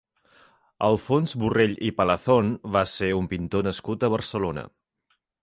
Alfons Borrell i Palazón va ser un pintor nascut a Barcelona.